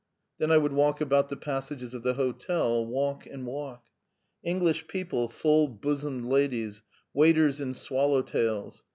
_" Then I would walk about the passages of the hotel, walk and walk. ... English people, full bosomed ladies, waiters in swallow tails.